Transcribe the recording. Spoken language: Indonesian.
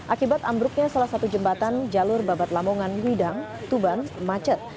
akibat ambruknya salah satu jembatan jalur babat lamongan widang tuban macet